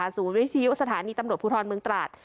วิทยุสถานีตำรวจภูทรเมืองตราด